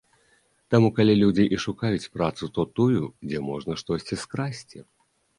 Таму, калі людзі і шукаюць працу, то тую, дзе можна штосьці скрасці.